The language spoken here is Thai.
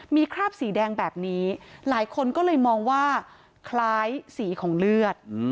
มีคราบสีแดงแบบนี้หลายคนก็เลยมองว่าคล้ายสีของเลือด